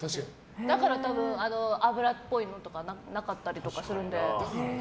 だから、脂っぽいのとかなかったりするので。